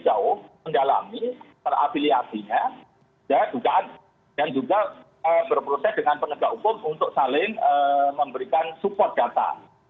jauh mendalami terafiliasinya dugaan dan juga berproses dengan penegak hukum untuk saling memberikan support data